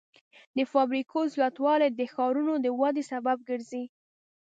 د فابریکو زیاتوالی د ښارونو د ودې سبب ګرځي.